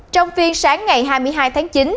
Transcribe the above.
trong phiên sáng ngày hai mươi hai tháng chín